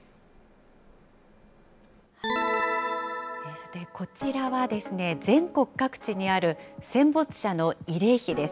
さて、こちらはですね、全国各地にある戦没者の慰霊碑です。